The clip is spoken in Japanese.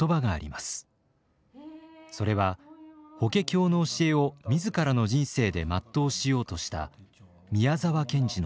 それは「法華経」の教えを自らの人生で全うしようとした宮沢賢治の言葉です。